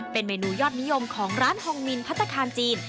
เป็นเมนูยอดนิยมของร้านฮองมินพัฒนาคารจีน